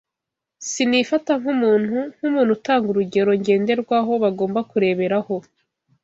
Sinifata nk’umuntu nk’umuntu utanga urugero ngenderwaho bagomba kureberaho